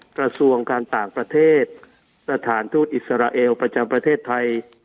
กระทรวงการต่างประเทศสถานทูตอิสราเอลประจำประเทศไทย